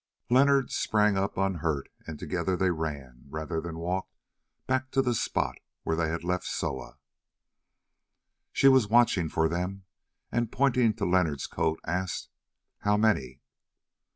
Leonard sprang up unhurt, and together they ran, rather than walked, back to the spot where they had left Soa. She was watching for them, and pointing to Leonard's coat, asked "How many?"